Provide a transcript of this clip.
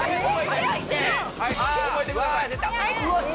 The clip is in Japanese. はい覚えてください。